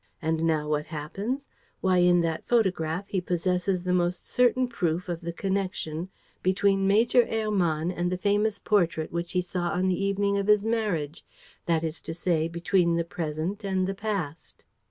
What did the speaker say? And now what happens? Why, in that photograph he possesses the most certain proof of the connection between Major Hermann and the famous portrait which he saw on the evening of his marriage, that is to say, between the present and the past."